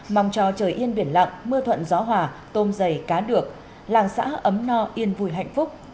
mong cho trời yên biển lặng mưa thuận gió hòa tôm dày cá được làng xã ấm no yên vui hạnh phúc